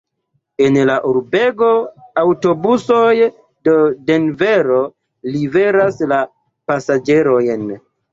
En la urbego aŭtobusoj de Denvero liveras la pasaĝerojn.